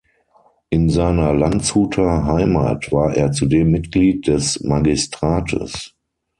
In seiner Landshuter Heimat war er zudem Mitglied des Magistrates.